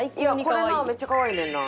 これなめっちゃかわいいねんな。